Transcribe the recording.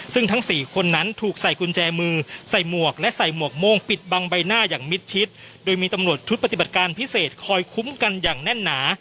ซึ่งทั้งสี่คนนั้นถูกใส่กุญแจมือใส่หมวกและใส่หมวกโม่งปิดบังใบหน้าอย่างมิดชิดโดยมีตำรวจชุดปฏิบัติการพิเศษคอยคุ้มกันอย่างแน่นหนา